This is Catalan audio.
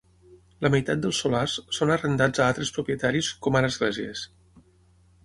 La meitat dels solars són arrendats a altres propietaris, com ara esglésies.